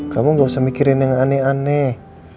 kamu gak usah mikirin yang aneh aneh